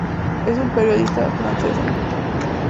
Es una periodista francesa.